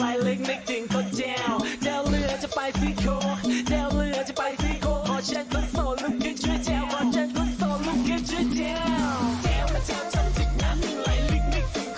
ไหลลึกมีทุกคนแจวแจวเรือไปซื้อหมี่เกี๊ยว